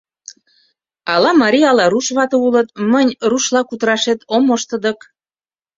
Ала марий, ала руш вате улыт, мынь рушла кутырашет ом мошто дык.